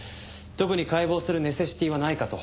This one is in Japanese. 特に解剖するネセシティはないかと。